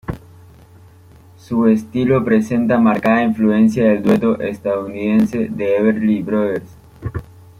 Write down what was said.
Su estilo presenta marcada influencia del dueto estadounidense "The Everly Brothers".